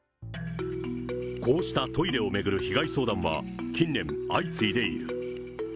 こうしたトイレを巡る被害相談は、近年、相次いでいる。